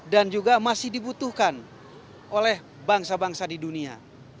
dan juga masih dibutuhkan oleh bangsa bangsa di dunia